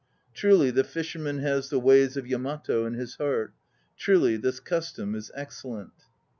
Truly the fisherman has the ways of Yamato in his heart. Truly, this custom is excellent.